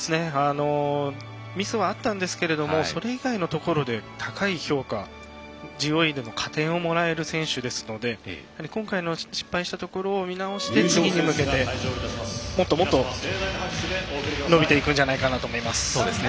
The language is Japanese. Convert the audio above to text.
ミスはあったんですがそれ以外のところで高い評価、ＧＯＥでの加点をもらえる選手ですので今回の失敗したところを見直して次に向けてもっともっと伸びていくんじゃないかなと思います。